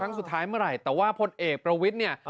ครั้งสุดท้ายเมื่อไหร่แต่ว่าพลเอกประวิทย์เนี่ย